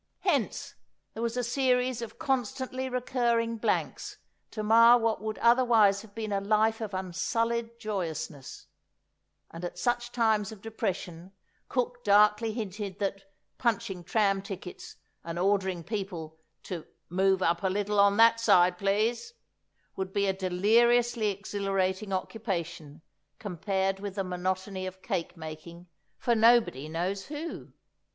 Hence, there was a series of constantly recurring blanks to mar what would otherwise have been a life of unsullied joyousness; and at such times of depression cook darkly hinted that punching tram tickets and ordering people to "move up a little on that side, please," would be a deliriously exhilarating occupation compared with the monotony of cake making for nobody knows who!